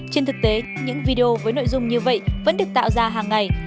trên thực tế những video với nội dung như vậy vẫn được tạo ra hàng ngày